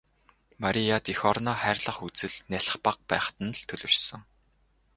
Марияд эх орноо хайрлах үзэл нялх бага байхад нь л төлөвшсөн.